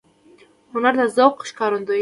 هنر د ذوق ښکارندوی دی